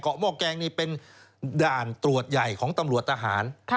หม้อแกงนี่เป็นด่านตรวจใหญ่ของตำรวจทหาร